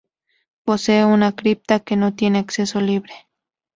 Posee una cripta que no tiene acceso libre.